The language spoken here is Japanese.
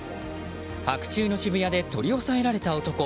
白昼の渋谷で取り押さえられた男。